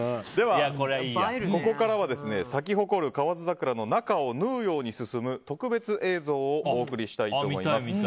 では、ここからは咲き誇る河津桜の中を縫うように進む特別映像をお送りしたいと思います。